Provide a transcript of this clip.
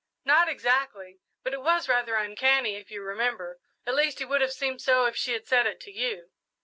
"Not exactly, but it was rather uncanny, if you remember, at least it would have seemed so if she had said it to you."